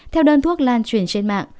theo đơn thuốc lan truyền trên mạng